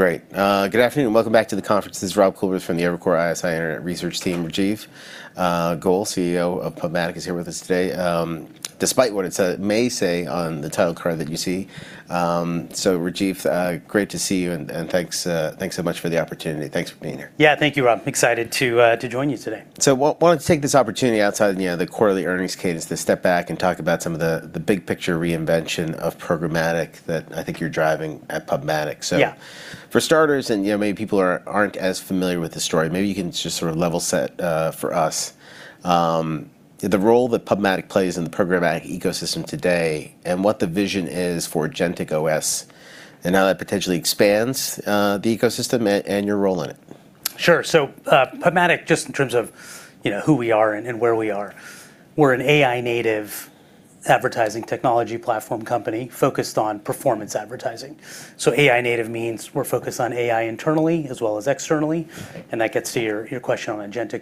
Great. Good afternoon. Welcome back to the conference. This is Robert Coolbrith from the Evercore ISI Internet Research team. Rajeev Goel, CEO of PubMatic, is here with us today despite what it may say on the title card that you see. Rajeev, great to see you, and thanks so much for the opportunity. Thanks for being here. Yeah. Thank you, Rob. Excited to join you today. Wanted to take this opportunity outside the quarterly earnings cadence to step back and talk about some of the big-picture reinvention of programmatic that I think you're driving at PubMatic. Yeah. For starters, and maybe people aren't as familiar with the story, maybe you can just sort of level-set for us the role that PubMatic plays in the programmatic ecosystem today, and what the vision is for agencies, and how that potentially expands the ecosystem and your role in it. Sure. PubMatic, just in terms of who we are and where we are, we're an AI-native advertising technology platform company focused on performance advertising. AI-native means we're focused on AI internally as well as externally, and that gets to your question on agencies,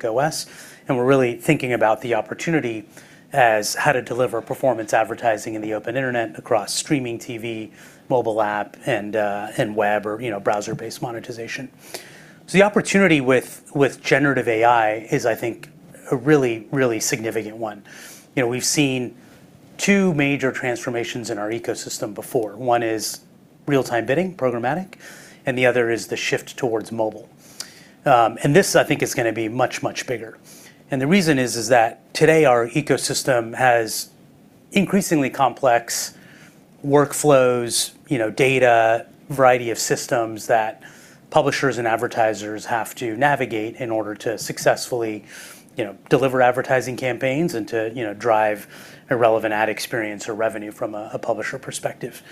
and we're really thinking about the opportunity as how to deliver performance advertising in the open internet across streaming TV, mobile app, and web, or browser-based monetization. The opportunity with generative AI is, I think, a really significant one. We've seen two major transformations in our ecosystem before. One is real-time bidding, programmatic, and the other is the shift towards mobile. This, I think, is going to be much bigger. The reason is that today, our ecosystem has increasingly complex workflows, data, variety of systems that publishers and advertisers have to navigate in order to successfully deliver advertising campaigns and to drive a relevant ad experience or revenue from a publisher perspective.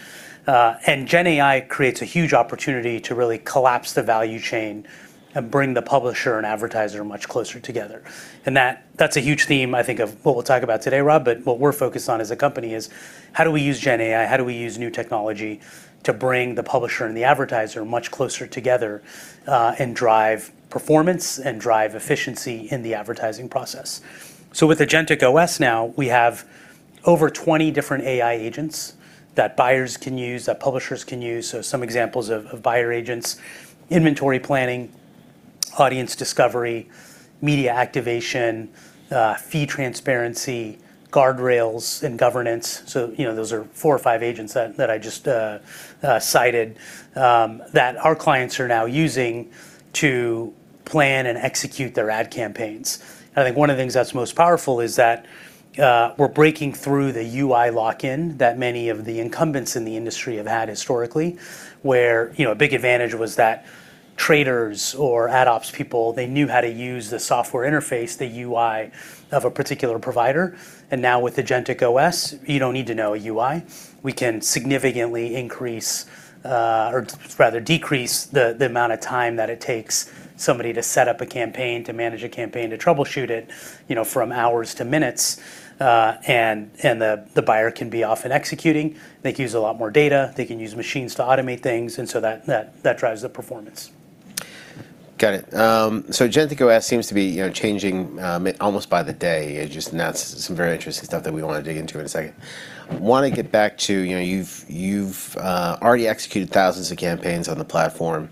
GenAI creates a huge opportunity to really collapse the value chain and bring the publisher and advertiser much closer together. That's a huge theme, I think, of what we'll talk about today, Rob, but what we're focused on as a company is how do we use GenAI, how do we use new technology to bring the publisher and the advertiser much closer together, and drive performance and drive efficiency in the advertising process. With agencies now, we have over 20 different AI agents that buyers can use, that publishers can use. Some examples of buyer agents, inventory planning, audience discovery, media activation, fee transparency, guardrails, and governance. Those are four or five agents that I just cited that our clients are now using to plan and execute their ad campaigns. I think one of the things that's most powerful is that we're breaking through the UI lock-in that many of the incumbents in the industry have had historically, where a big advantage was that traders or ad ops people, they knew how to use the software interface, the UI of a particular provider. Now with agencies, you don't need to know a UI. We can significantly increase, or rather decrease the amount of time that it takes somebody to set up a campaign, to manage a campaign, to troubleshoot it, from hours to minutes. The buyer can be off and executing. They can use a lot more data. They can use machines to automate things. That drives the performance. Got it. agencies seems to be changing almost by the day. You just announced some very interesting stuff that we want to dig into in a second. Want to get back to you've already executed thousands of campaigns on the platform.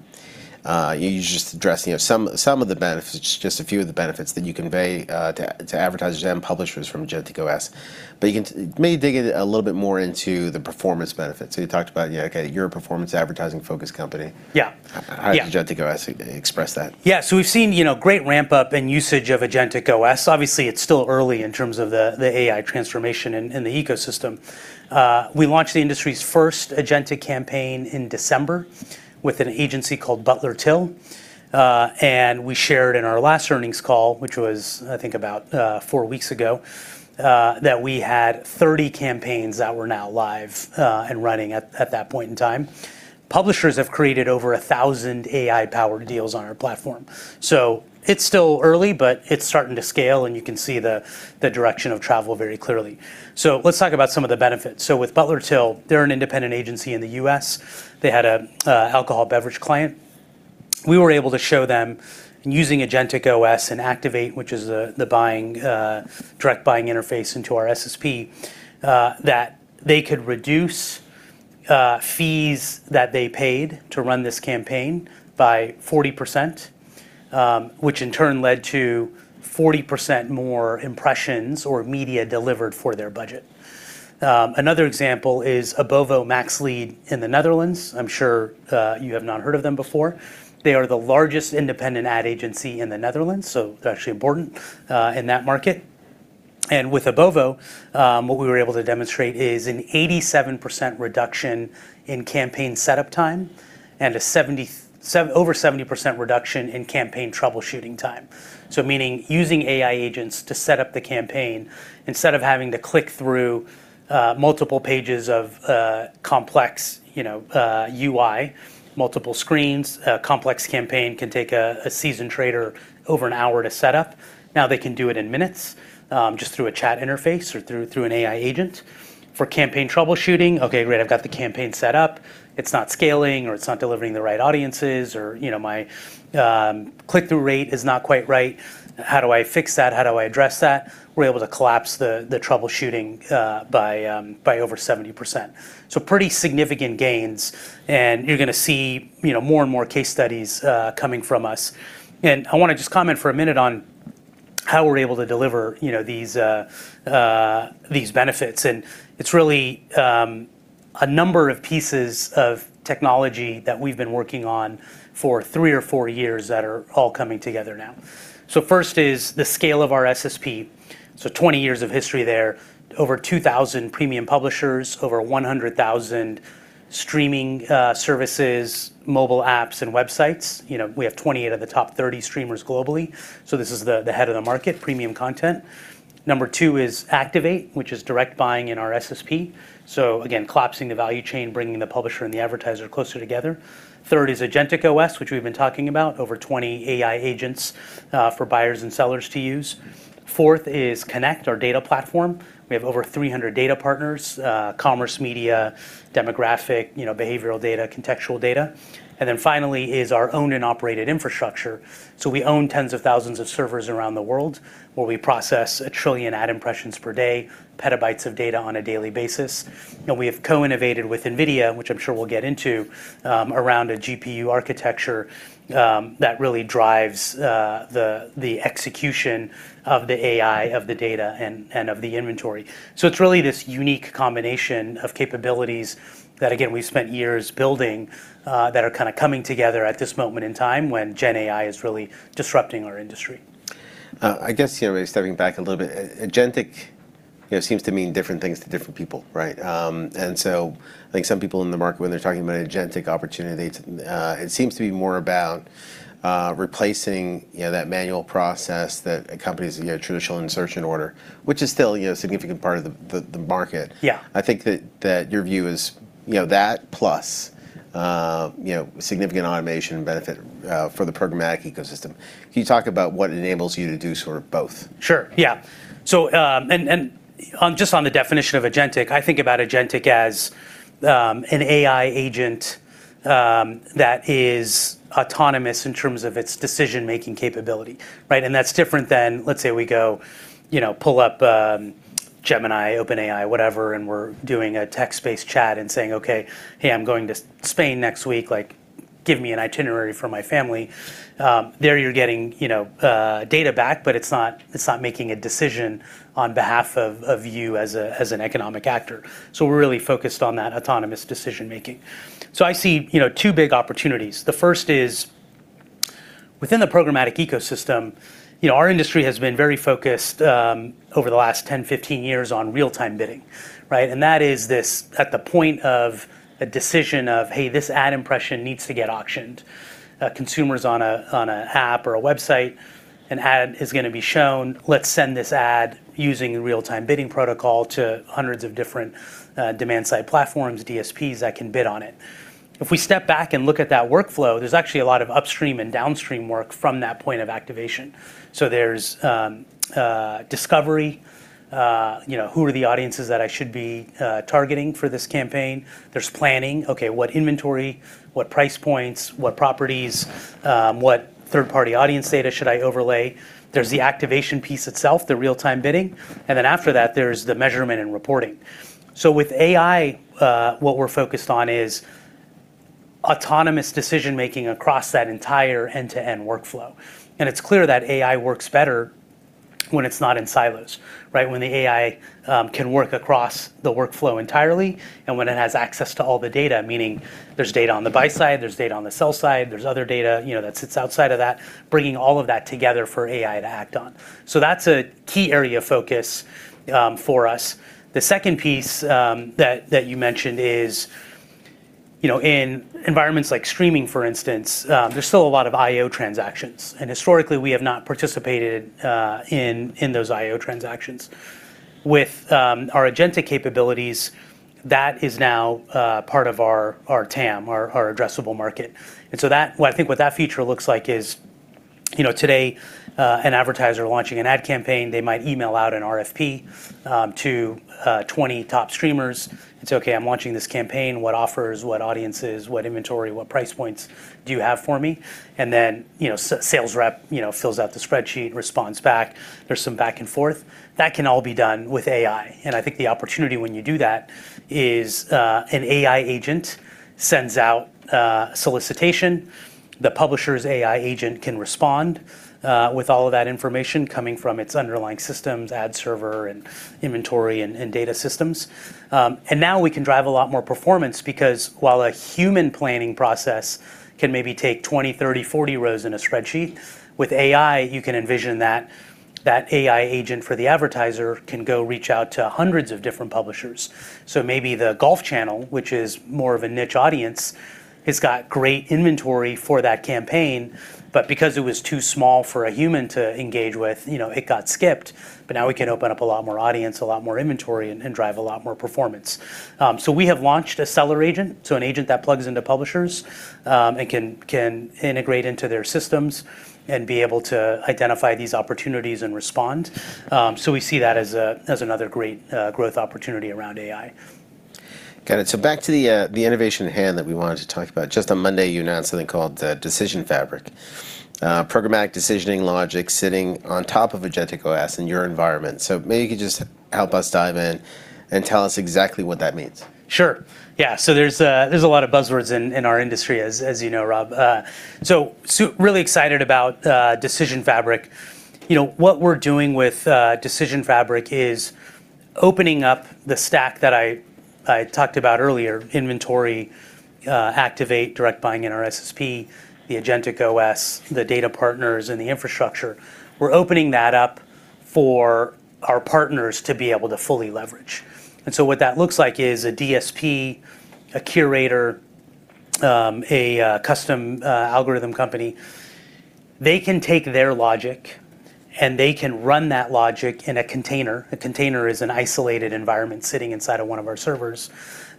You just addressed some of the benefits, just a few of the benefits that you convey to advertisers and publishers from agencies. Maybe dig a little bit more into the performance benefits. You talked about, okay, you're a performance advertising-focused company. Yeah. How does agencies express that? Yeah. We've seen great ramp-up and usage of agencies. Obviously, it's still early in terms of the AI transformation in the ecosystem. We launched the industry's first Agentic campaign in December with an agency called Butler/Till, and we shared in our last earnings call, which was, I think, about four weeks ago, that we had 30 campaigns that were now live and running at that point in time. Publishers have created over 1,000 AI-powered deals on our platform. It's still early, but it's starting to scale, and you can see the direction of travel very clearly. Let's talk about some of the benefits. With Butler/Till, they're an independent agency in the U.S. They had an alcohol beverage client. We were able to show them using agencies and Activate, which is the direct buying interface into our SSP, that they could reduce fees that they paid to run this campaign by 40%, which in turn led to 40% more impressions or media delivered for their budget. Another example is Abovo Maxlead in the Netherlands. I'm sure you have not heard of them before. They are the largest independent ad agency in the Netherlands, so they're actually important in that market. With Abovo, what we were able to demonstrate is an 87% reduction in campaign setup time and over 70% reduction in campaign troubleshooting time, meaning using AI agents to set up the campaign instead of having to click through multiple pages of complex UI, multiple screens. A complex campaign can take a seasoned trader over an hour to set up. They can do it in minutes, just through a chat interface or through an AI agent. For campaign troubleshooting, okay, great, I've got the campaign set up. It's not scaling, or it's not delivering the right audiences, or my click-through rate is not quite right. How do I fix that? How do I address that? We're able to collapse the troubleshooting by over 70%. Pretty significant gains, and you're going to see more and more case studies coming from us. I want to just comment for a minute on how we're able to deliver these benefits, and it's really a number of pieces of technology that we've been working on for three or four years that are all coming together now. First is the scale of our SSP. 20 years of history there. Over 2,000 premium publishers, over 100,000 streaming services, mobile apps, and websites. We have 28 of the top 30 streamers globally. This is the head of the market, premium content. Number 2 is Activate, which is direct buying in our SSP. Again, collapsing the value chain, bringing the publisher and the advertiser closer together. Third is agencies, which we've been talking about, over 20 AI agents for buyers and sellers to use. Fourth is Connect, our data platform. We have over 300 data partners, commerce media, demographic, behavioral data, contextual data. Finally is our owned and operated infrastructure. We own tens of thousands of servers around the world where we process a trillion ad impressions per day, petabytes of data on a daily basis. We have co-innovated with NVIDIA, which I'm sure we'll get into, around a GPU architecture that really drives the execution of the AI of the data and of the inventory. It's really this unique combination of capabilities that, again, we've spent years building that are kind of coming together at this moment in time when GenAI is really disrupting our industry. I guess, really stepping back a little bit, agentic seems to mean different things to different people, right? I think some people in the market, when they're talking about agentic opportunities, it seems to be more about replacing that manual process that accompanies a traditional insertion order, which is still a significant part of the market. Yeah. I think that your view is that plus significant automation benefit for the programmatic ecosystem. Can you talk about what enables you to do sort of both? Sure, yeah. Just on the definition of agentic, I think about agentic as an AI agent that is autonomous in terms of its decision-making capability, right? That's different than, let's say, we go pull up Gemini, OpenAI, whatever, and we're doing a text-based chat and saying, "Okay. Hey, I'm going to Spain next week. Give me an itinerary for my family." There you're getting data back, but it's not making a decision on behalf of you as an economic actor. We're really focused on that autonomous decision-making. I see two big opportunities. The first is within the programmatic ecosystem, our industry has been very focused over the last 10, 15 years on real-time bidding, right? That is this at the point of a decision of, "Hey, this ad impression needs to get auctioned." Consumers on an app or a website, an ad is going to be shown. Let's send this ad using real-time bidding protocol to hundreds of different demand-side platforms, DSPs, that can bid on it. If we step back and look at that workflow, there's actually a lot of upstream and downstream work from that point of activation. There's discovery, who are the audiences that I should be targeting for this campaign? There's planning. Okay, what inventory, what price points, what properties, what third-party audience data should I overlay? There's the activation piece itself, the real-time bidding, and then after that, there's the measurement and reporting. With AI, what we're focused on is autonomous decision making across that entire end-to-end workflow. It's clear that AI works better when it's not in silos, right? When the AI can work across the workflow entirely and when it has access to all the data, meaning there's data on the buy side, there's data on the sell side, there's other data that sits outside of that, bringing all of that together for AI to act on. That's a key area of focus for us. The second piece that you mentioned is in environments like streaming, for instance, there's still a lot of IO transactions, and historically, we have not participated in those IO transactions. With our agentic capabilities, that is now part of our TAM, our addressable market. I think what that future looks like is today, an advertiser launching an ad campaign, they might email out an RFP to 20 top streamers and say, "Okay, I'm launching this campaign. What offers, what audiences, what inventory, what price points do you have for me?" A sales rep fills out the spreadsheet, responds back. There's some back and forth. That can all be done with AI. I think the opportunity when you do that is an AI agent sends out a solicitation. The publisher's AI agent can respond with all of that information coming from its underlying systems, ad server, and inventory, and data systems. Now we can drive a lot more performance because while a human planning process can maybe take 20, 30, 40 rows in a spreadsheet, with AI, you can envision that that AI agent for the advertiser can go reach out to hundreds of different publishers. Maybe The Golf Channel, which is more of a niche audience, has got great inventory for that campaign, but because it was too small for a human to engage with, it got skipped, but now we can open up a lot more audience, a lot more inventory, and drive a lot more performance. We have launched a seller agent, so an agent that plugs into publishers, and can integrate into their systems and be able to identify these opportunities and respond. We see that as another great growth opportunity around AI. Got it. Back to the innovation at hand that we wanted to talk about. Just on Monday, you announced something called the Decision Fabric, programmatic decisioning logic sitting on top of Agentic OS in your environment. Maybe you could just help us dive in and tell us exactly what that means? Sure. Yeah. There's a lot of buzzwords in our industry, as you know, Rob. Really excited about Decision Fabric. What we're doing with Decision Fabric is opening up the stack that I talked about earlier, inventory, Activate, direct buying in our SSP, the agencies, the data partners, and the infrastructure, we're opening that up for our partners to be able to fully leverage. What that looks like is a DSP, a curator, a custom algorithm company, they can take their logic and they can run that logic in a container. A container is an isolated environment sitting inside of one of our servers.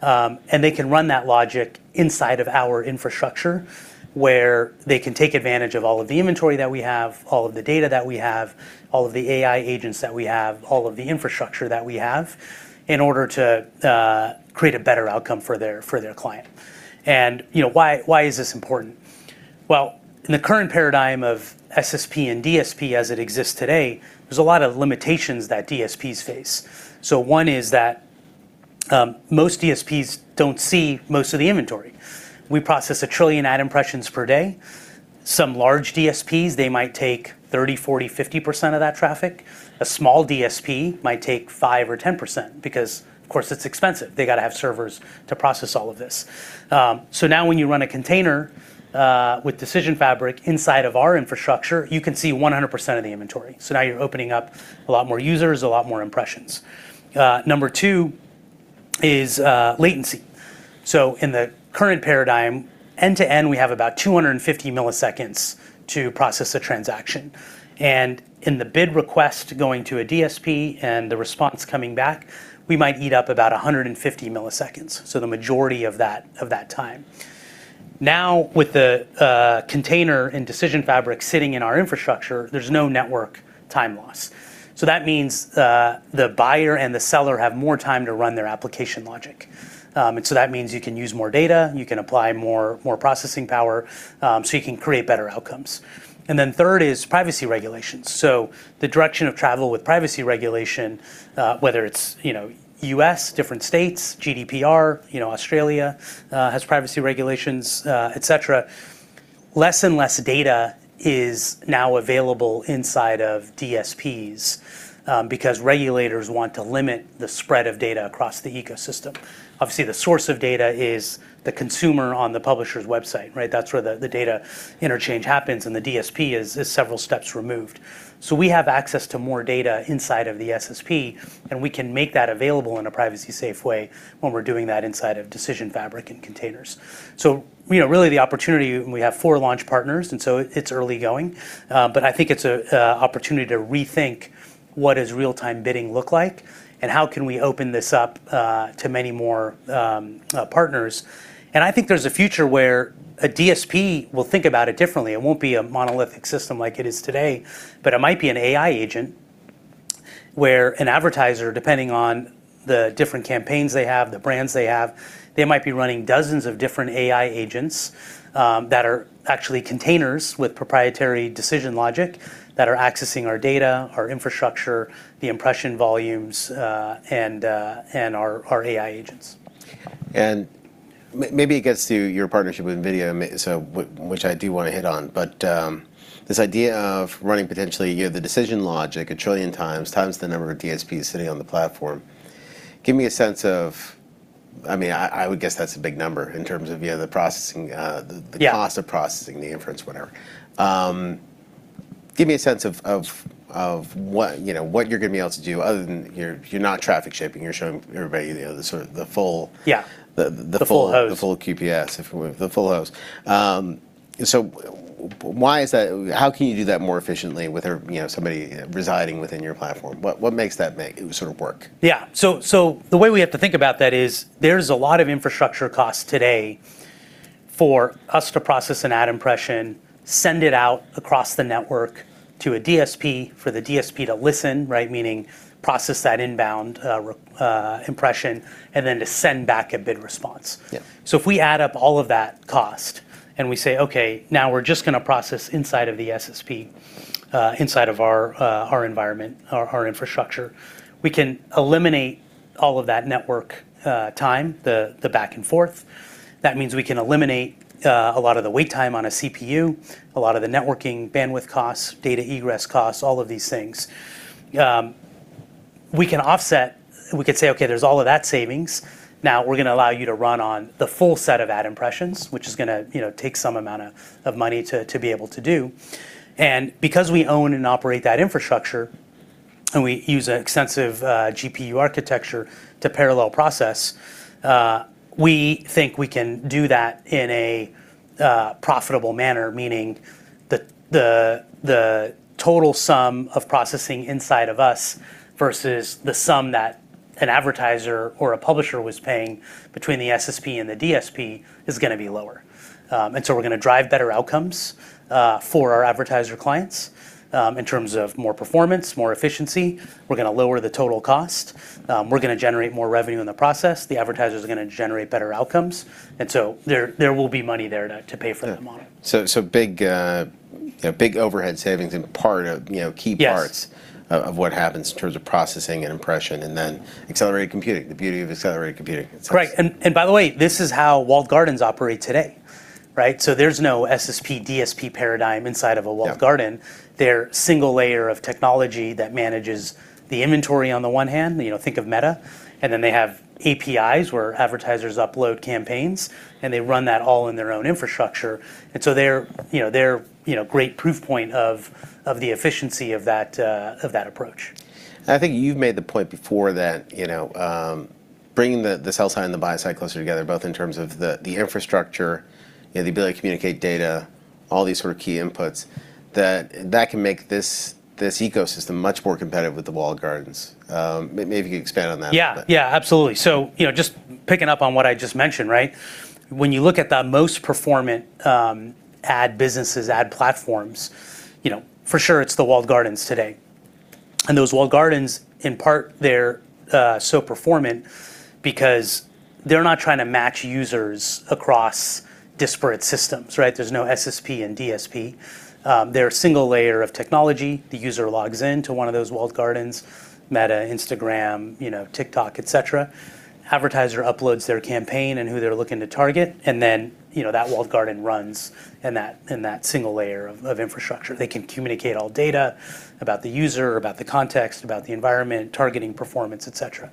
They can run that logic inside of our infrastructure, where they can take advantage of all of the inventory that we have, all of the data that we have, all of the AI agents that we have, all of the infrastructure that we have in order to create a better outcome for their client. Why is this important? Well, in the current paradigm of SSP and DSP as it exists today, there's a lot of limitations that DSPs face. One is that most DSPs don't see most of the inventory. We process 1 trillion ad impressions per day. Some large DSPs, they might take 30%, 40%, 50% of that traffic. A small DSP might take 5% or 10% because, of course, it's expensive. They got to have servers to process all of this. Now when you run a container with Decision Fabric inside of our infrastructure, you can see 100% of the inventory. Now you're opening up a lot more users, a lot more impressions. Number two is latency. In the current paradigm, end-to-end, we have about 250 milliseconds to process a transaction. In the bid request going to a DSP and the response coming back, we might eat up about 150 milliseconds. The majority of that time. Now, with the container and Decision Fabric sitting in our infrastructure, there's no network time loss. That means the buyer and the seller have more time to run their application logic. That means you can use more data, you can apply more processing power, so you can create better outcomes. Then third is privacy regulations. The direction of travel with privacy regulation, whether it's U.S., different states, GDPR, Australia has privacy regulations, et cetera. Less and less data is now available inside of DSPs, because regulators want to limit the spread of data across the ecosystem. Obviously, the source of data is the consumer on the publisher's website, right? That's where the data interchange happens, and the DSP is several steps removed. We have access to more data inside of the SSP, and we can make that available in a privacy-safe way when we're doing that inside of Decision Fabric and containers. Really the opportunity, and we have four launch partners, and so it's early going, but I think it's an opportunity to rethink what does real-time bidding look like, and how can we open this up to many more partners. I think there's a future where a DSP will think about it differently. It won't be a monolithic system like it is today, but it might be an AI agent where an advertiser, depending on the different campaigns they have, the brands they have, they might be running dozens of different AI agents that are actually containers with proprietary decision logic that are accessing our data, our infrastructure, the impression volumes, and our AI agents. Maybe it gets to your partnership with NVIDIA, which I do want to hit on. This idea of running potentially the decision logic 1 trillion times the number of DSPs sitting on the platform. Give me a sense of I would guess that's a big number in terms of the processing. Yeah. the cost of processing, the inference, whatever. Give me a sense of what you're going to be able to do other than you're not traffic shaping. You're showing everybody the full. Yeah. the full- The full host. the full QPS, the full hose. How can you do that more efficiently with somebody residing within your platform? What makes that make sort of work? Yeah. The way we have to think about that is there's a lot of infrastructure costs today for us to process an ad impression, send it out across the network to a DSP, for the DSP to listen, right? Meaning process that inbound impression, and then to send back a bid response. Yeah. If we add up all of that cost and we say, "Okay, now we're just going to process inside of the SSP, inside of our environment, our infrastructure," we can eliminate all of that network time, the back and forth. That means we can eliminate a lot of the wait time on a CPU, a lot of the networking bandwidth costs, data egress costs, all of these things. We can offset, we could say, "Okay, there's all of that savings. Now we're going to allow you to run on the full set of ad impressions," which is going to take some amount of money to be able to do. Because we own and operate that infrastructure, and we use an extensive GPU architecture to parallel process, we think we can do that in a profitable manner, meaning the total sum of processing inside of us versus the sum that an advertiser or a publisher was paying between the SSP and the DSP is going to be lower. We're going to drive better outcomes for our advertiser clients. In terms of more performance, more efficiency. We're going to lower the total cost. We're going to generate more revenue in the process. The advertisers are going to generate better outcomes, there will be money there to pay for that model. Big overhead savings. Yes. of what happens in terms of processing and impression, and then accelerated computing. The beauty of accelerated computing. Right. By the way, this is how walled gardens operate today, right? There's no SSP, DSP paradigm inside of a walled garden. Yeah. They're a single layer of technology that manages the inventory on the one hand, think of Meta, and then they have APIs where advertisers upload campaigns, and they run that all in their own infrastructure. They're a great proof point of the efficiency of that approach. I think you've made the point before that bringing the sell side and the buy side closer together, both in terms of the infrastructure, the ability to communicate data, all these sort of key inputs, that that can make this ecosystem much more competitive with the walled gardens. Maybe you could expand on that a bit. Yeah, absolutely. Just picking up on what I just mentioned, right? When you look at the most performant ad businesses, ad platforms, for sure it's the walled gardens today. Those walled gardens, in part, they're so performant because they're not trying to match users across disparate systems, right? There's no SSP and DSP. They're a single layer of technology. The user logs into one of those walled gardens, Meta, Instagram, TikTok, et cetera. Advertiser uploads their campaign and who they're looking to target, and then, that walled garden runs in that single layer of infrastructure. They can communicate all data about the user, about the context, about the environment, targeting, performance, et cetera.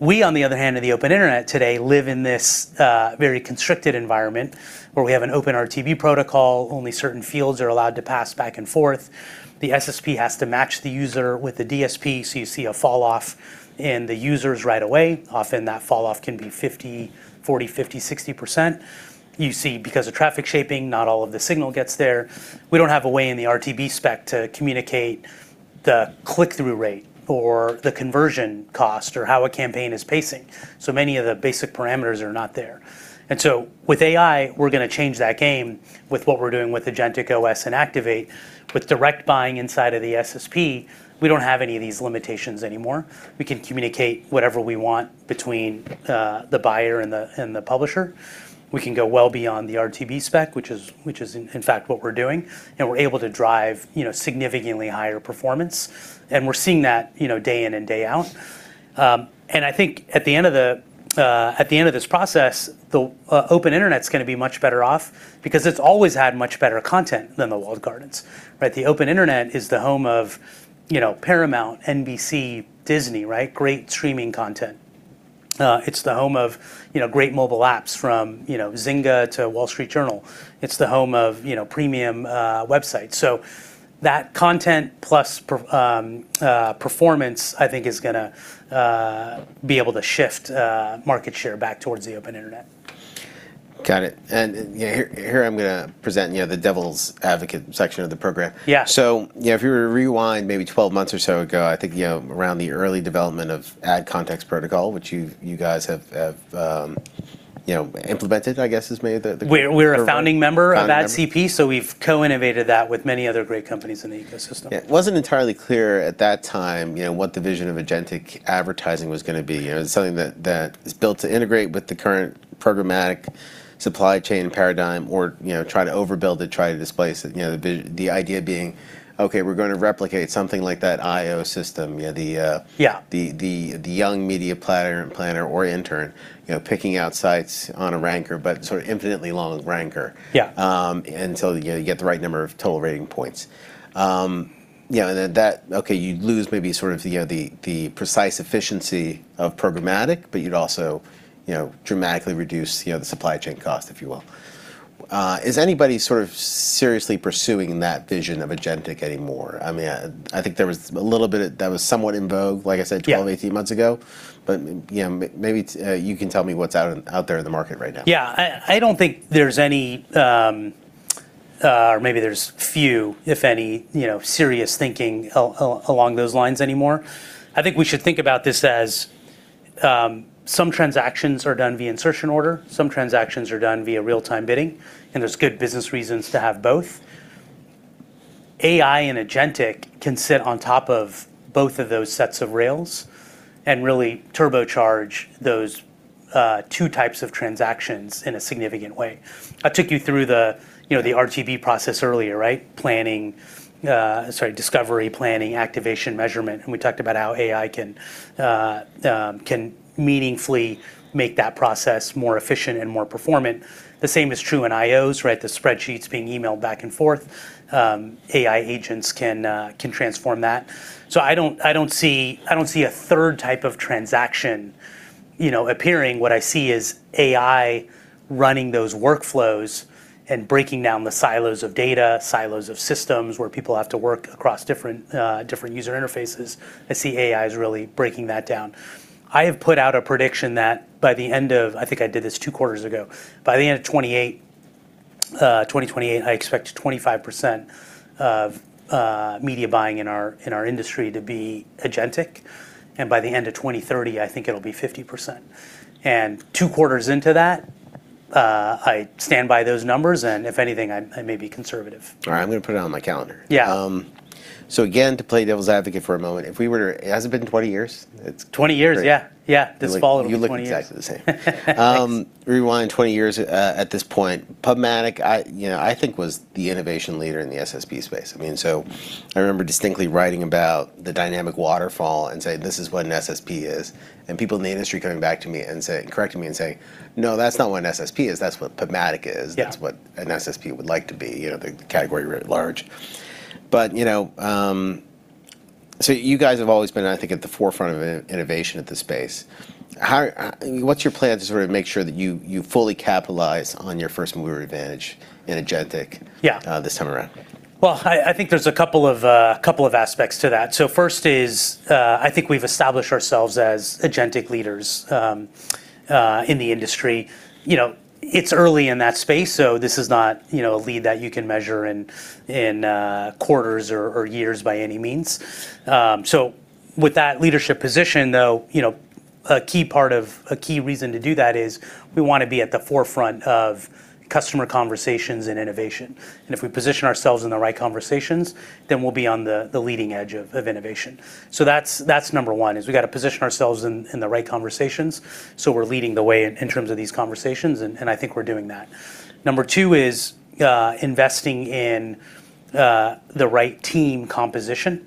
We, on the other hand, in the open internet today, live in this very constricted environment where we have an OpenRTB protocol. Only certain fields are allowed to pass back and forth. The SSP has to match the user with the DSP, you see a falloff in the users right away. Often, that falloff can be 40%, 50%, 60%. You see, because of traffic shaping, not all of the signal gets there. We don't have a way in the RTB spec to communicate the click-through rate or the conversion cost, or how a campaign is pacing. Many of the basic parameters are not there. With AI, we're going to change that game with what we're doing with agencies and Activate. With direct buying inside of the SSP, we don't have any of these limitations anymore. We can communicate whatever we want between the buyer and the publisher. We can go well beyond the RTB spec, which is in fact what we're doing, and we're able to drive significantly higher performance, and we're seeing that day in and day out. I think at the end of this process, the open internet's going to be much better off because it's always had much better content than the walled gardens, right? The open internet is the home of Paramount, NBC, Disney, right? Great streaming content. It's the home of great mobile apps from Zynga to The Wall Street Journal. It's the home of premium websites. That content plus performance, I think is going to be able to shift market share back towards the open internet. Got it. Here I'm going to present the devil's advocate section of the program. Yeah. If you were to rewind maybe 12 months or so ago, I think around the early development of Ad Context Protocol, which you guys have implemented. We're a founding member of that AdCP, we've co-innovated that with many other great companies in the ecosystem. It wasn't entirely clear at that time what the vision of agentic advertising was going to be, something that is built to integrate with the current programmatic supply chain paradigm or try to overbuild it, try to displace it. The idea being, okay, we're going to replicate something like that IO system. Yeah. The young media planner or intern picking out sites on a ranker, but sort of infinitely long ranker. Yeah until you get the right number of total rating points. That, okay, you lose maybe sort of the precise efficiency of programmatic, but you'd also dramatically reduce the supply chain cost, if you will. Is anybody sort of seriously pursuing that vision of agentic anymore? I think there was a little bit that was somewhat in vogue, like I said. Yeah. 12 months, 18 months ago. Maybe you can tell me what's out there in the market right now. Yeah. I don't think there's any, or maybe there's few, if any, serious thinking along those lines anymore. I think we should think about this as some transactions are done via insertion order, some transactions are done via real-time bidding, and there's good business reasons to have both. AI and agentic can sit on top of both of those sets of rails and really turbocharge those two types of transactions in a significant way. I took you through the RTB process earlier, right? Discovery, planning, activation, measurement, and we talked about how AI can meaningfully make that process more efficient and more performant. The same is true in IOs, right? The spreadsheets being emailed back and forth. AI agents can transform that. I don't see a third type of transaction appearing. What I see is AI running those workflows and breaking down the silos of data, silos of systems where people have to work across different user interfaces. I see AI as really breaking that down. I have put out a prediction that by the end of, I think I did this two quarters ago, by the end of 2028, I expect 25% of media buying in our industry to be agentic, and by the end of 2030, I think it'll be 50%. Two quarters into that I stand by those numbers, and if anything, I may be conservative. All right. I'm going to put it on my calendar. Yeah. Again, to play devil's advocate for a moment, has it been 20 years? 20 years, yeah. This fall it'll be 20 years. You look exactly the same. Thanks. Rewind 20 years at this point, PubMatic, I think was the innovation leader in the SSP space. I remember distinctly writing about the dynamic waterfall and saying, "This is what an SSP is." People in the industry coming back to me and correcting me, and saying, "No, that's not what an SSP is. That's what PubMatic is. Yeah. That's what an SSP would like to be," the category writ large. You guys have always been, I think, at the forefront of innovation at the space. What's your plan to sort of make sure that you fully capitalize on your first-mover advantage in agentic- Yeah. This time around? Well, I think there's a couple of aspects to that. First is, I think we've established ourselves as agentic leaders in the industry. It's early in that space, this is not a lead that you can measure in quarters or years by any means. With that leadership position, though, a key reason to do that is we want to be at the forefront of customer conversations and innovation. If we position ourselves in the right conversations, then we'll be on the leading edge of innovation. That's number 1, is we've got to position ourselves in the right conversations so we're leading the way in terms of these conversations, and I think we're doing that. Number 2 is investing in the right team composition.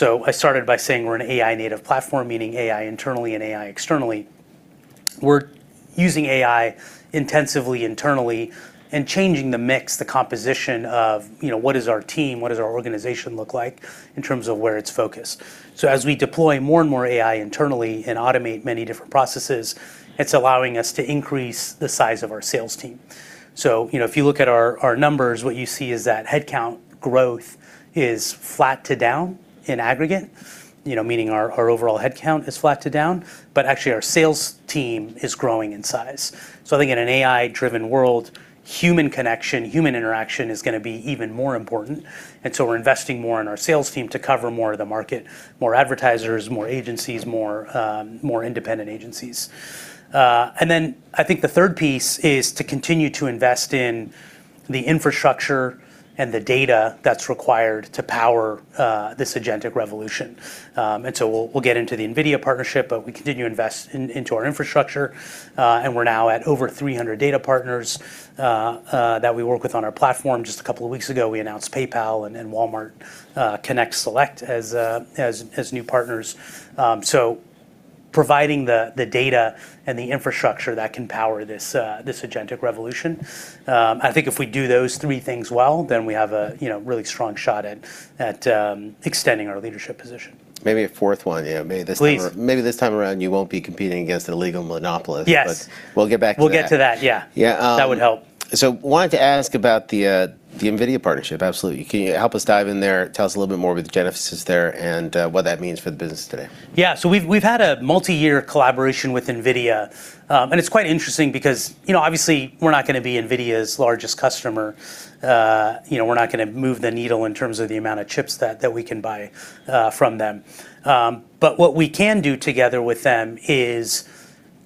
I started by saying we're an AI native platform, meaning AI internally and AI externally. We're using AI intensively internally and changing the mix, the composition of what is our team, what does our organization look like in terms of where it's focused. As we deploy more and more AI internally and automate many different processes, it's allowing us to increase the size of our sales team. If you look at our numbers, what you see is that headcount growth is flat to down in aggregate, meaning our overall headcount is flat to down, but actually our sales team is growing in size. I think in an AI-driven world, human connection, human interaction is going to be even more important, and so we're investing more in our sales team to cover more of the market, more advertisers, more agencies, more independent agencies. I think the third piece is to continue to invest in the infrastructure and the data that's required to power this agentic revolution. We'll get into the NVIDIA partnership, but we continue to invest into our infrastructure, and we're now at over 300 data partners that we work with on our platform. Just a couple of weeks ago, we announced PayPal and Walmart Connect Select as new partners. Providing the data and the infrastructure that can power this agentic revolution. I think if we do those three things well, then we have a really strong shot at extending our leadership position. Maybe a fourth one. Please. Maybe this time around, you won't be competing against an illegal monopolist. Yes. We'll get back to that. We'll get to that, yeah. Yeah. That would help. I wanted to ask about the NVIDIA partnership. Absolutely. Can you help us dive in there? Tell us a little bit more about the genesis there and what that means for the business today. Yeah. We've had a multi-year collaboration with NVIDIA. It's quite interesting because obviously we're not going to be NVIDIA's largest customer. We're not going to move the needle in terms of the amount of chips that we can buy from them. What we can do together with them is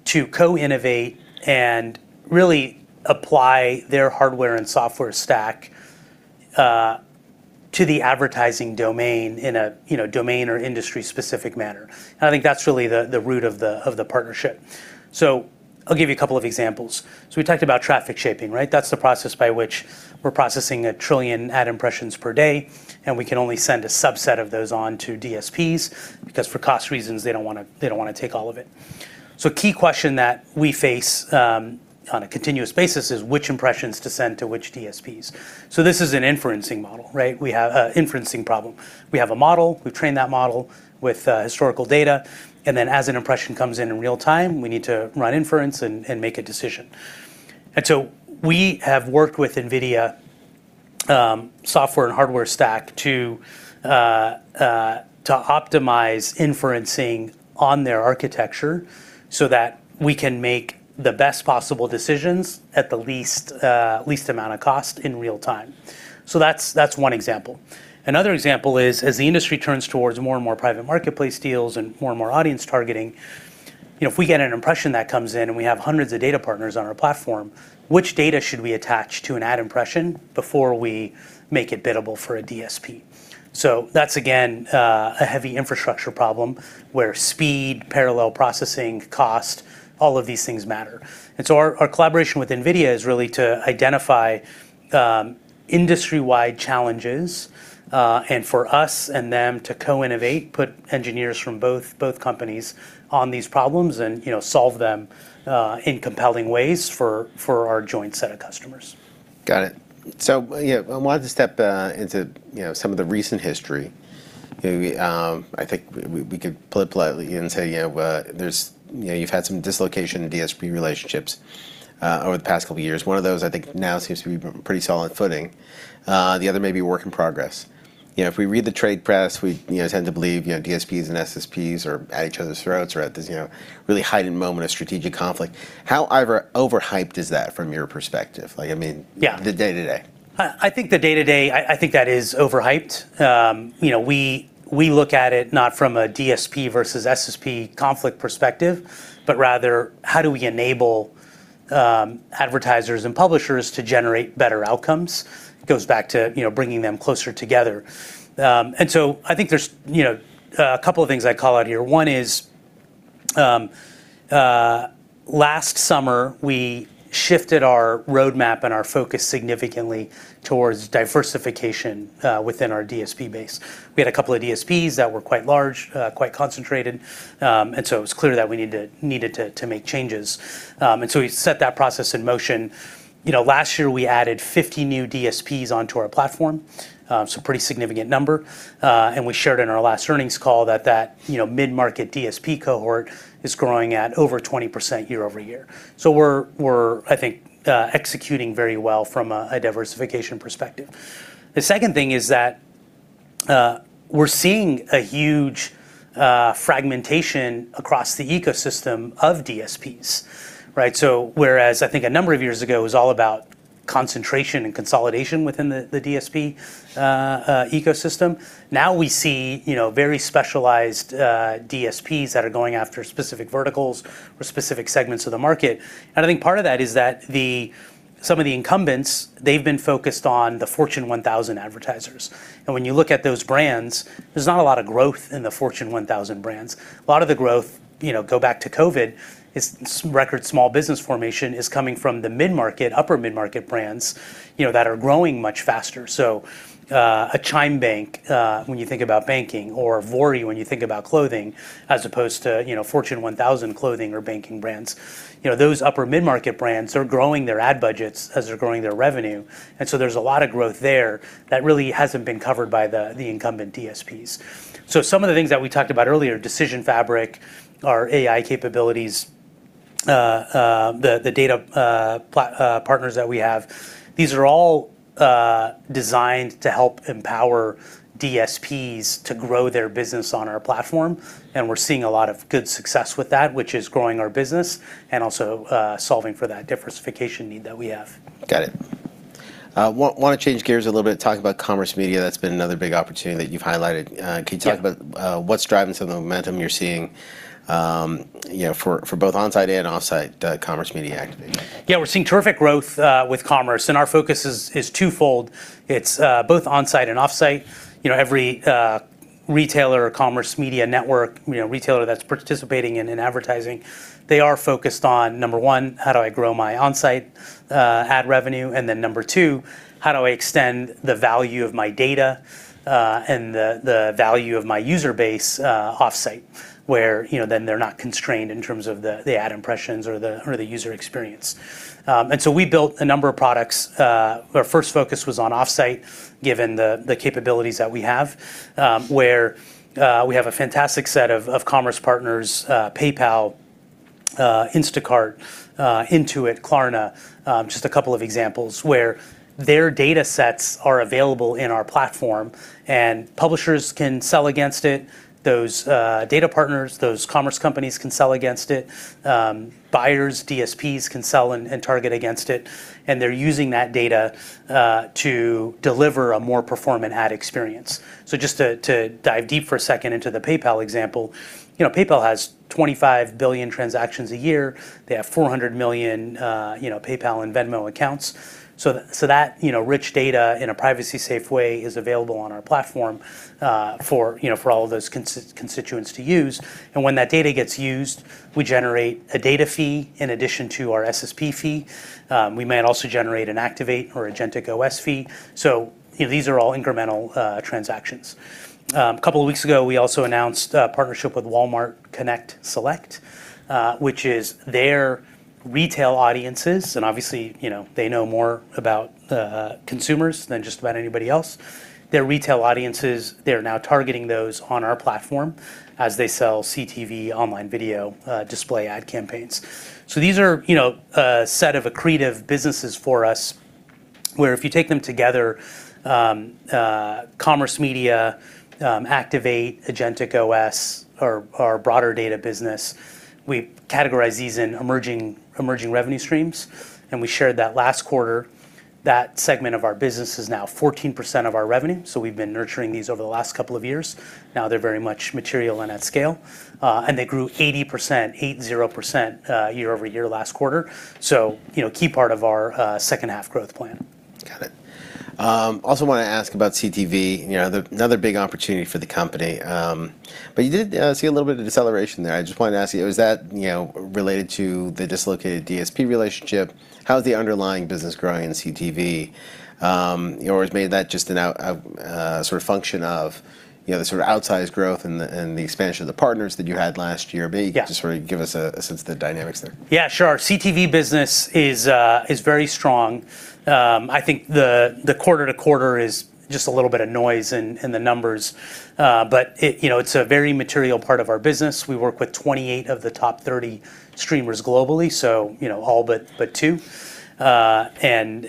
to co-innovate and really apply their hardware and software stack to the advertising domain in a domain or industry-specific manner. I think that's really the root of the partnership. I'll give you a couple of examples. We talked about traffic shaping, right? That's the process by which we're processing 1 trillion ad impressions per day, and we can only send a subset of those on to DSPs, because for cost reasons, they don't want to take all of it. Key question that we face on a continuous basis is which impressions to send to which DSPs. This is an inferencing model, right? We have an inferencing problem. We have a model, we've trained that model with historical data, as an impression comes in in real time, we need to run inference and make a decision. We have worked with NVIDIA software and hardware stack to optimize inferencing on their architecture so that we can make the best possible decisions at the least amount of cost in real time. That's one example. Another example is, as the industry turns towards more and more private marketplace deals and more and more audience targeting, if we get an impression that comes in and we have hundreds of data partners on our platform, which data should we attach to an ad impression before we make it biddable for a DSP? That's, again, a heavy infrastructure problem where speed, parallel processing, cost, all of these things matter. Our collaboration with NVIDIA is really to identify industry-wide challenges, and for us and them to co-innovate, put engineers from both companies on these problems and solve them in compelling ways for our joint set of customers. Got it. I wanted to step into some of the recent history. I think we could put it politely and say you've had some dislocation in DSP relationships over the past couple of years. One of those, I think now seems to be pretty solid footing. The other may be a work in progress. If we read the trade press, we tend to believe DSPs and SSPs are at each other's throats or at this really heightened moment of strategic conflict. How over-hyped is that from your perspective? Like, I mean? Yeah. the day-to-day. I think the day-to-day, that is over-hyped. We look at it not from a DSP versus SSP conflict perspective, but rather how do we enable advertisers and publishers to generate better outcomes. It goes back to bringing them closer together. I think there's a couple of things I'd call out here. One is, last summer, we shifted our roadmap and our focus significantly towards diversification within our DSP base. We had a couple of DSPs that were quite large, quite concentrated, it was clear that we needed to make changes. We set that process in motion. Last year, we added 50 new DSPs onto our platform, so a pretty significant number. We shared in our last earnings call that that mid-market DSP cohort is growing at over 20% year-over-year. We're, I think, executing very well from a diversification perspective. The second thing is that we're seeing a huge fragmentation across the ecosystem of DSPs, right? Whereas I think a number of years ago, it was all about concentration and consolidation within the DSP ecosystem, now we see very specialized DSPs that are going after specific verticals or specific segments of the market. I think part of that is that some of the incumbents, they've been focused on the Fortune 1,000 advertisers. When you look at those brands, there's not a lot of growth in the Fortune 1,000 brands. A lot of the growth, go back to COVID, is record small business formation, is coming from the mid-market, upper mid-market brands that are growing much faster. A Chime, when you think about banking, or Vuori, when you think about clothing, as opposed to Fortune 1000 clothing or banking brands. Those upper mid-market brands are growing their ad budgets as they're growing their revenue, there's a lot of growth there that really hasn't been covered by the incumbent DSPs. Some of the things that we talked about earlier, Decision Fabric, our AI capabilities, the data partners that we have, these are all designed to help empower DSPs to grow their business on our platform, we're seeing a lot of good success with that, which is growing our business and also solving for that diversification need that we have. Got it. I want to change gears a little bit, talk about commerce media. That's been another big opportunity that you've highlighted. Yeah. Can you talk about what's driving some of the momentum you're seeing for both on-site and off-site commerce media activation? We're seeing terrific growth with commerce, and our focus is twofold. It's both on-site and off-site. Every retailer or commerce media network, retailer that's participating in advertising, they are focused on, number one, how do I grow my on-site ad revenue? Number two, how do I extend the value of my data and the value of my user base off-site, where then they're not constrained in terms of the ad impressions or the user experience? We built a number of products. Our first focus was on off-site, given the capabilities that we have, where we have a fantastic set of commerce partners, PayPal, Instacart, Intuit, Klarna, just a couple of examples, where their data sets are available in our platform and publishers can sell against it. Those data partners, those commerce companies can sell against it. Buyers, DSPs can sell and target against it, they're using that data to deliver a more performant ad experience. Just to dive deep for a second into the PayPal example. PayPal has $25 billion transactions a year. They have $400 million PayPal and Venmo accounts. That rich data, in a privacy-safe way, is available on our platform for all of those constituents to use. When that data gets used, we generate a data fee in addition to our SSP fee. We might also generate an Activate or a agencies fee. These are all incremental transactions. A couple of weeks ago, we also announced a partnership with Walmart Connect Select, which is their retail audiences, obviously, they know more about consumers than just about anybody else. Their retail audiences, they are now targeting those on our platform as they sell CTV online video display ad campaigns. These are a set of accretive businesses for us, where if you take them together, commerce media, Activate, agencies, our broader data business, we categorize these in emerging revenue streams, and we shared that last quarter, that segment of our business is now 14% of our revenue. We've been nurturing these over the last couple of years. Now they're very much material and at scale. They grew 80% year-over-year last quarter, so key part of our second half growth plan. Got it. Also want to ask about CTV, another big opportunity for the company. You did see a little bit of deceleration there. I just wanted to ask you, was that related to the dislocated DSP relationship? How is the underlying business growing in CTV? Has made that just a sort of function of the sort of outsized growth and the expansion of the partners that you had last year? Yeah. just sort of give us a sense of the dynamics there. Yeah, sure. Our CTV business is very strong. I think the quarter-to-quarter is just a little bit of noise in the numbers. It's a very material part of our business. We work with 28 of the top 30 streamers globally, so all but two, and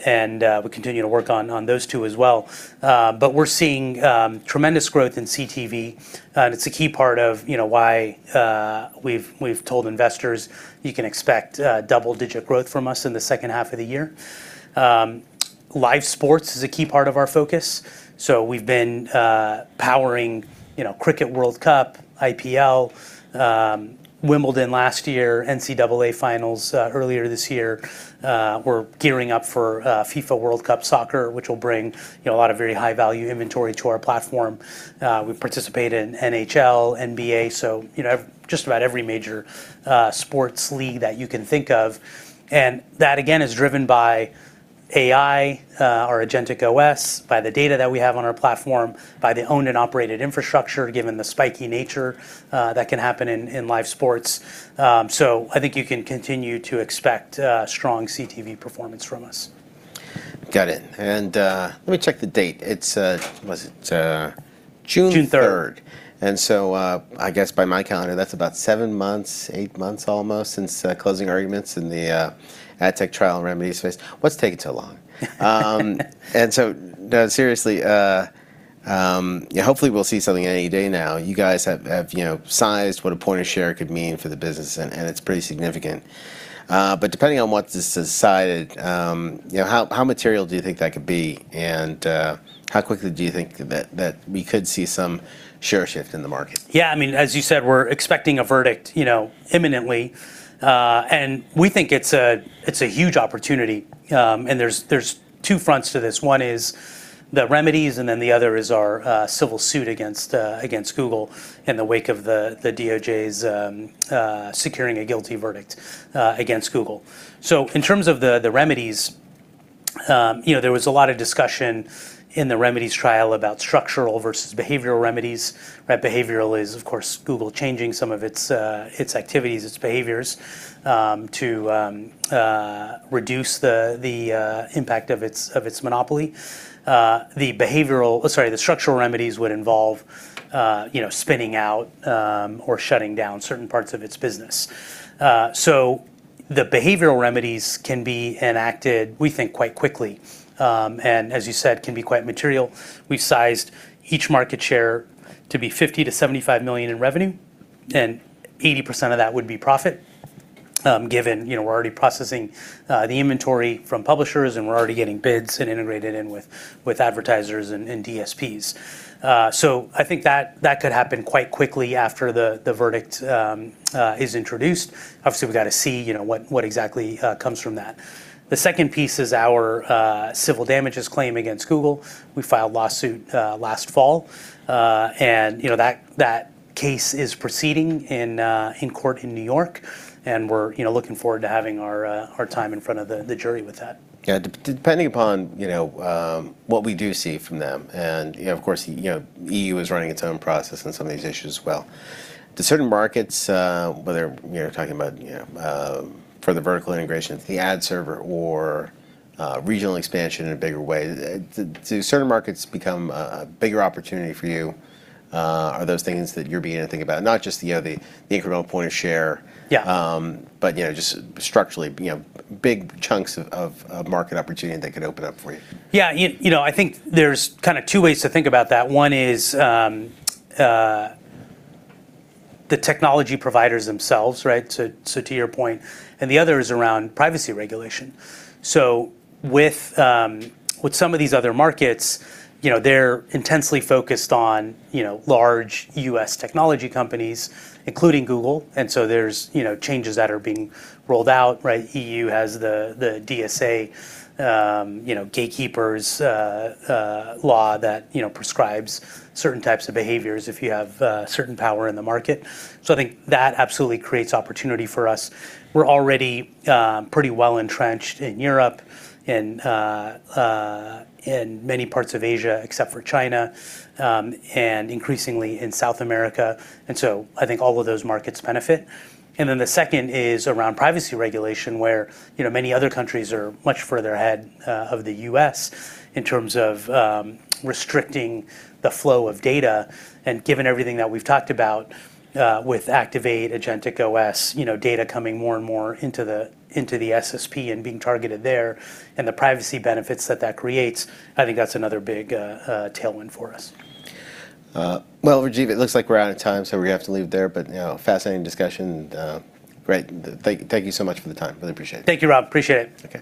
we continue to work on those two as well. We're seeing tremendous growth in CTV, and it's a key part of why we've told investors you can expect double-digit growth from us in the second half of the year. Live sports is a key part of our focus so we've been powering Cricket World Cup, IPL, Wimbledon last year, NCAA finals earlier this year. We're gearing up for FIFA World Cup soccer, which will bring a lot of very high-value inventory to our platform. We participate in NHL, NBA, so just about every major sports league that you can think of. That, again, is driven by AI, our agencies, by the data that we have on our platform, by the owned and operated infrastructure, given the spiky nature that can happen in live sports. I think you can continue to expect strong CTV performance from us. Got it. Let me check the date. It's, what is it? June 3rd. June 3rd. I guess by my calendar, that's about seven months, eight months almost since closing arguments in the ad tech trial and remedies phase. What's taking so long? No, seriously, yeah, hopefully, we'll see something any day now. You guys have sized what a point of share could mean for the business, and it's pretty significant. Depending on what's decided, how material do you think that could be, and how quickly do you think that we could see some share shift in the market? Yeah, as you said, we're expecting a verdict imminently. We think it's a huge opportunity, and there's two fronts to this. One is the remedies, the other is our civil suit against Google in the wake of the DOJ's securing a guilty verdict against Google. In terms of the remedies, there was a lot of discussion in the remedies trial about structural versus behavioral remedies, right? Behavioral is, of course, Google changing some of its activities, its behaviors, to reduce the impact of its monopoly. Sorry, the structural remedies would involve spinning out or shutting down certain parts of its business. The behavioral remedies can be enacted, we think, quite quickly, and as you said, can be quite material. We've sized each market share to be $50 million-$75 million in revenue. 80% of that would be profit, given we're already processing the inventory from publishers, and we're already getting bids and integrated in with advertisers and DSPs. I think that could happen quite quickly after the verdict is introduced. Obviously, we've got to see what exactly comes from that. The second piece is our civil damages claim against Google. We filed lawsuit last fall. That case is proceeding in court in New York. We're looking forward to having our time in front of the jury with that. Yeah. Depending upon what we do see from them. Of course, EU is running its own process on some of these issues as well. Do certain markets, whether you're talking about for the vertical integration at the ad server or regional expansion in a bigger way, do certain markets become a bigger opportunity for you? Are those things that you're beginning to think about, not just the incremental point of share? Yeah Just structurally, big chunks of market opportunity that could open up for you. I think there's kind of two ways to think about that. One is the technology providers themselves, right? To your point. The other is around privacy regulation. With some of these other markets, they're intensely focused on large U.S. technology companies, including Google, there's changes that are being rolled out, right? EU has the DMA gatekeepers law that prescribes certain types of behaviors if you have certain power in the market. I think that absolutely creates opportunity for us. We're already pretty well-entrenched in Europe and in many parts of Asia, except for China, and increasingly in South America, I think all of those markets benefit. The second is around privacy regulation, where many other countries are much further ahead of the U.S. in terms of restricting the flow of data. Given everything that we've talked about with Activate, agencies, data coming more and more into the SSP and being targeted there, and the privacy benefits that that creates, I think that's another big tailwind for us. Rajeev, it looks like we're out of time, so we're going to have to leave it there. Fascinating discussion and great. Thank you so much for the time. Really appreciate it. Thank you, Rob. Appreciate it. Okay.